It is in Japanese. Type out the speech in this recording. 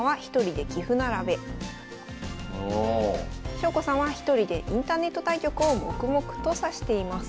翔子さんは１人でインターネット対局を黙々と指しています。